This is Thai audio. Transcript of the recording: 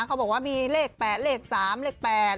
เขาบอกว่ามีเลข๘เลข๓เลข๘